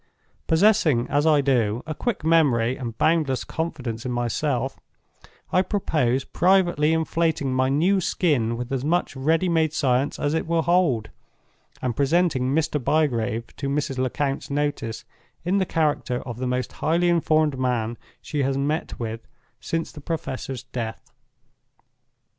Possessing, as I do, a quick memory and boundless confidence in myself, I propose privately inflating my new skin with as much ready made science as it will hold, and presenting Mr. Bygrave to Mrs. Lecount's notice in the character of the most highly informed man she has met with since the professor's death.